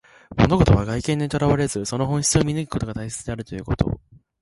物事は外見にとらわれず、その本質を見抜くことが大切であるということ。